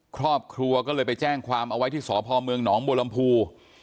ครอบครัวก็เลยไปแจ้งความเอาไว้ที่สพเมืองหนองบัวลำพู